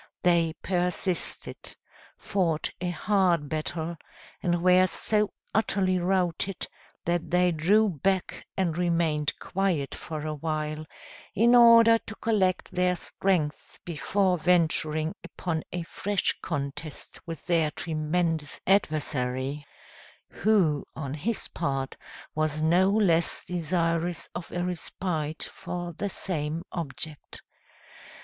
They persisted; fought a hard battle, and were so utterly routed, that they drew back and remained quiet for a while, in order to collect their strength before venturing upon a fresh contest with their tremendous adversary, who, on his part, was no less desirous of a respite for the same object.